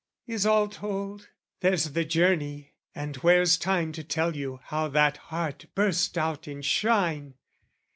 Is all told? There's the journey: and where's time To tell you how that heart burst out in shine?